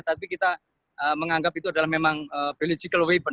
tapi kita menganggap itu adalah memang biologi